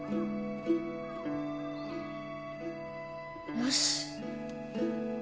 よし。